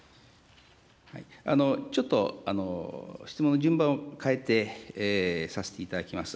ちょっと質問の順番を変えて、させていただきます。